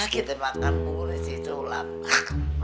kita makan mulut si tulang